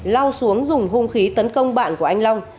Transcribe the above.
lao xuống dùng hung khí tấn công bạn của anh long